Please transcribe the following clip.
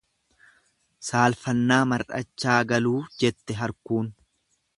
Saalfannaa mar'achaa galuu jette harkuun.